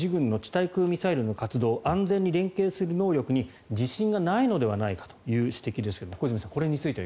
対空ミサイルの活動を安全に連携する能力に自信がないのではないかという指摘ですが小泉さん、これについて。